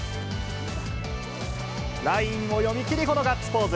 ラインを読みきりこのガッツポーズ。